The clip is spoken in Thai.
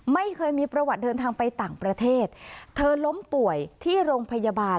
ไม่เคยมีประวัติเดินทางไปต่างประเทศเธอล้มป่วยที่โรงพยาบาล